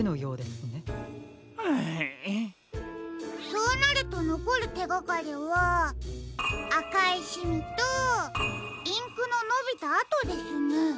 そうなるとのこるてがかりはあかいシミとインクののびたあとですね。